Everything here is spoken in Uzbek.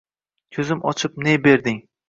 Ko’zim ochib, ne berding?